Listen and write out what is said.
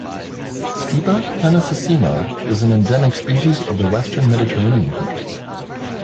"Stipa tenacissima" is an endemic species of the Western Mediterranean countries.